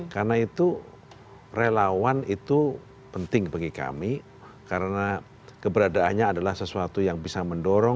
karena itu relawan itu penting bagi kami karena keberadaannya adalah sesuatu yang bisa mendorong